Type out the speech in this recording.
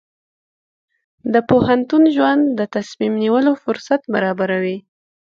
د پوهنتون ژوند د تصمیم نیولو فرصت برابروي.